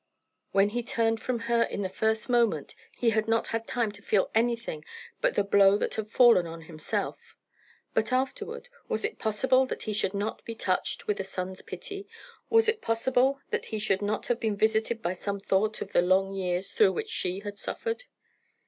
When he turned from her in the first moment, he had not had time to feel anything but the blow that had fallen on himself. But afterward was it possible that he should not be touched with a son's pity was it possible that he should not have been visited by some thought of the long years through which she had suffered?